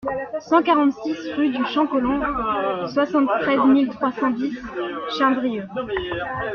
cent quarante-six rue du Champ Collomb, soixante-treize mille trois cent dix Chindrieux